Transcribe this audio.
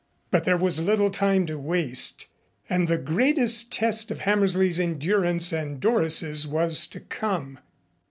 But there was little time to waste and the greatest test of Hammersley's endurance and Doris's was to come.